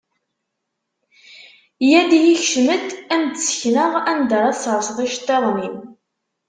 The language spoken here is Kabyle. Yya-d ihi kcem-d, ad am-d-sekneɣ anda ara tserseḍ iceṭṭiḍen-im.